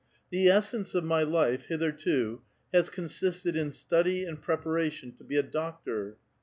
The essence of my life, hitherto, has consisted in study and preparation to be a doctor.